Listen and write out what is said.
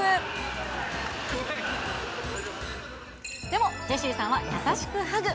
でもジェシーさんは、優しくハグ。